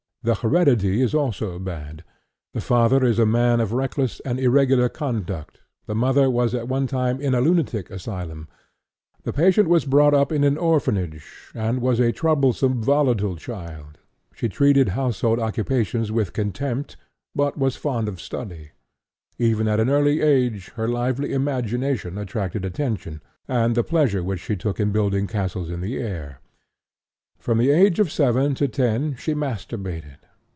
The heredity is also bad; the father is a man of reckless and irregular conduct; the mother was at one time in a lunatic asylum. The patient was brought up in an orphanage, and was a troublesome, volatile child; she treated household occupations with contempt, but was fond of study. Even at an early age her lively imagination attracted attention, and the pleasure which she took in building castles in the air. From the age of seven to ten she masturbated.